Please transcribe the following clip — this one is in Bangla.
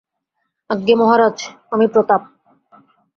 আজ্ঞা মহারাজ, আমি– প্রতাপ।